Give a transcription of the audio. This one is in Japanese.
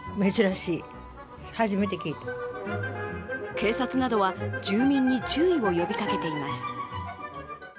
警察などは住民に注意を呼びかけています。